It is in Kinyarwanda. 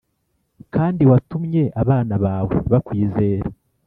kandi watumye abana bawe bakwizera,